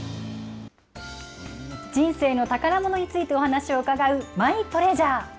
人生の宝ものについてお話を伺う、マイトレジャー。